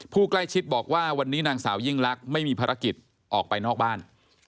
ผู้ใกล้ชิดบอกว่าวันนี้นางสาวยิ่งลักษณ์ไม่มีภารกิจออกไปนอกบ้าน